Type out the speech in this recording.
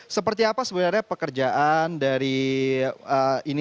seperti apa sebenarnya pekerjaan dari ini